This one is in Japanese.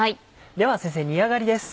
では先生煮上がりです。